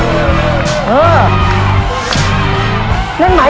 สิบสันเมื่อไหร่แล้ว